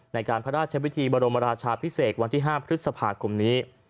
ในการพระราชวิธีบรมราชาพิเศษวันที่๕พฤษภาคมนี้